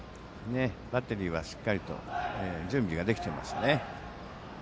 バッテリーはしっかりと準備ができてましたね。